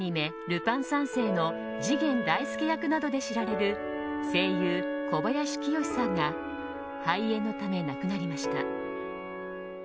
「ルパン三世」の次元大介役などで知られる声優・小林清志さんが肺炎のため亡くなりました。